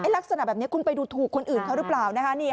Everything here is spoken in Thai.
ลักษณะแบบนี้คุณไปดูถูกคนอื่นเขาหรือเปล่า